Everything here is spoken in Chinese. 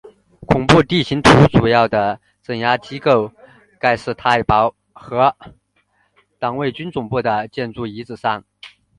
恐怖地形图主要的镇压机构盖世太保和党卫军总部的建筑遗址上。